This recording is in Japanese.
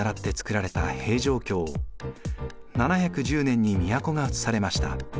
７１０年に都がうつされました。